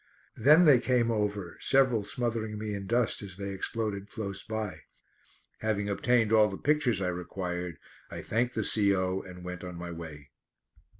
Then they came over, several smothering me in dust as they exploded close by. Having obtained all the pictures I required I thanked the C.O. and went on my way.